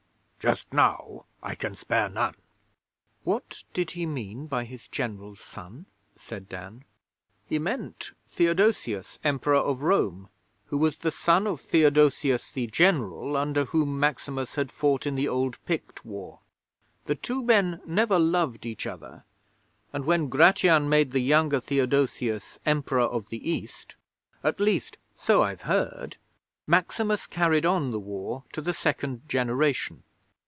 Just now I can spare none."' 'What did he mean by his General's son?' said Dan. 'He meant Theodosius Emperor of Rome, who was the son of Theodosius the General under whom Maximus had fought in the old Pict War. The two men never loved each other, and when Gratian made the younger Theodosius Emperor of the East (at least, so I've heard), Maximus carried on the war to the second generation.